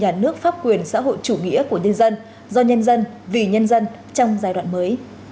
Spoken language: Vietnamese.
nhà nước pháp quyền xã hội chủ nghĩa của nhân dân do nhân dân vì nhân dân trong giai đoạn mới